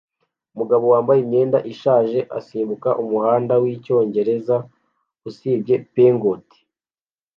Umugabo wambaye imyenda ishaje asimbuka umuhanda wicyongereza usibye Peugeot